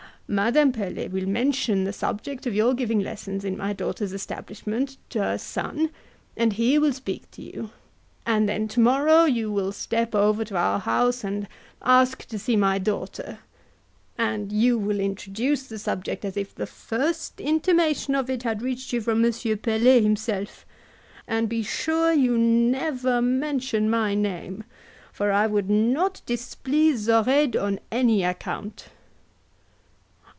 Madame Pelet will mention the subject of your giving lessons in my daughter's establishment to her son, and he will speak to you; and then to morrow, you will step over to our house, and ask to see my daughter, and you will introduce the subject as if the first intimation of it had reached you from M. Pelet himself, and be sure you never mention my name, for I would not displease Zoraide on any account."